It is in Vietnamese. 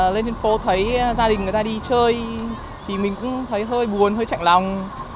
lên trên phố thấy gia đình người ta đi chơi thì mình cũng thấy hơi buồn hơi chản lòng